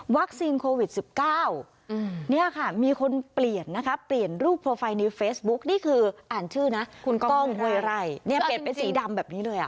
โควิด๑๙เนี่ยค่ะมีคนเปลี่ยนนะคะเปลี่ยนรูปโปรไฟล์ในเฟซบุ๊กนี่คืออ่านชื่อนะคุณกล้องห้วยไร่เนี่ยเปลี่ยนเป็นสีดำแบบนี้เลยอ่ะ